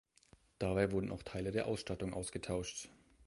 Dabei wurden auch Teile der Ausstattung ausgetauscht.